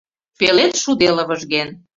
Пелед шуде лывыжген.